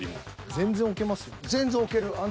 全然置けますもん。